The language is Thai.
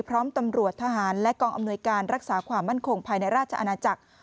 พร้อมตำรวจทหารและกองอำนวยการรักษาความมั่นคงภายในราชอาณาจักร